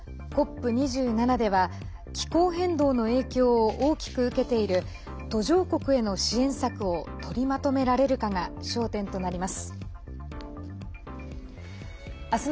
ＣＯＰ２７では気候変動の影響を大きく受けている途上国への支援策を取りまとめられるかが焦点となります。